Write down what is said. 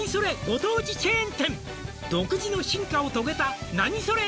ご当地チェーン店」「独自の進化を遂げたナニソレ！？